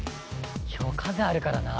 「今日風あるからな」